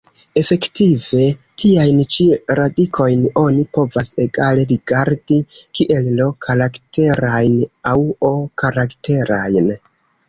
Efektive tiajn ĉi radikojn oni povas egale rigardi kiel I-karakterajn aŭ O-karakterajn.